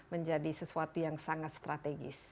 menjadi sesuatu yang sangat strategis